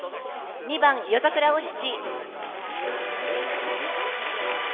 ２番「夜桜お七」。